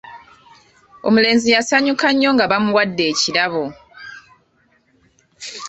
Omulenzi yasanyuka nnyo nga bamuwadde ekirabo.